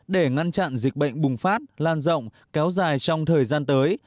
để ngăn chặn dịch bệnh bùng phát lan rộng kéo dài trong thời gian tới